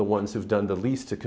có thể tạo ra một kico